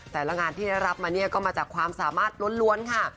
แต่ละงานที่ได้รับมาเนี่ยก็มาจากความสามารถล้วนค่ะ